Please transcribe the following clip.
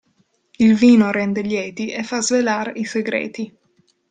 Il vino rende lieti e fa svelar i segreti.